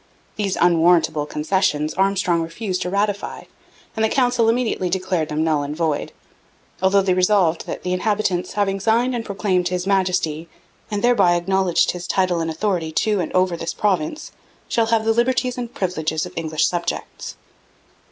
These 'unwarrantable concessions' Armstrong refused to ratify; and the Council immediately declared them null and void, although they resolved that 'the inhabitants... having signed and proclaimed His Majesty and thereby acknowledged his title and authority to and over this Province, shall have the liberties and privileges of English subjects.'